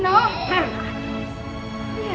semua kembali ke sel